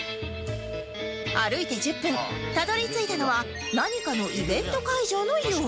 歩いて１０分たどり着いたのは何かのイベント会場のよう